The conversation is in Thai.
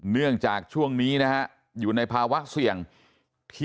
เนื่องจากช่วงนี้นะฮะอยู่ในภาวะเสี่ยงที่